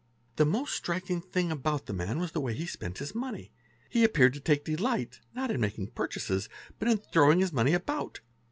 The most striking thing about the man was the way he spent his money ; he appeared to take delight, not in making purchases, but in throwing his money about.